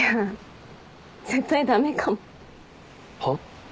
はっ？